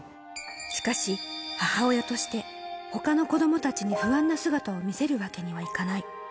しかし、母親として、ほかの子どもたちに不安な姿を見せるわけにはいかない。